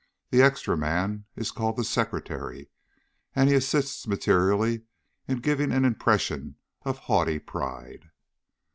The extra man is called the "secretary," and he assists materially in giving an impression of haughty pride.